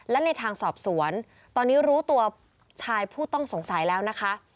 และในทางสอบสวนตอนนี้รู้ตัวชายผู้ต้องสงสัยแล้วนะคะ